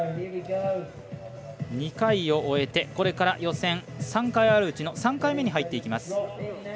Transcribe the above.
２回を終えてこれから予選３回あるうちの３回目に入っていきます。